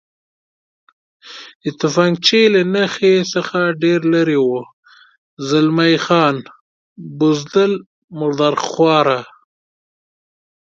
د تفنګچې له نښې څخه ډېر لرې و، زلمی خان: بزدل، مرادرخواره.